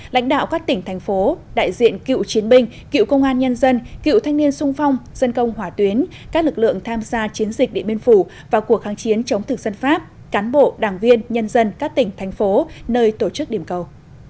lãnh đạo các tỉnh thành phố đại diện cựu chiến binh cựu công an nhân dân cựu thanh niên sung phong dân công hỏa tuyến các lực lượng tham gia chiến dịch điện biên phủ và cuộc kháng chiến chống thực dân pháp cán bộ đảng viên nhân dân các tỉnh thành phố nơi tổ chức điểm cầu